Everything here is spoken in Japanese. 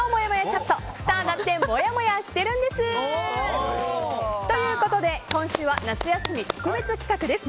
チャットスターだってもやもやしてるんです！ということで今週は夏休み特別企画です。